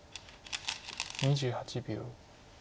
２８秒。